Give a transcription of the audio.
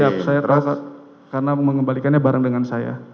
siap saya tahu karena mengembalikannya bareng dengan saya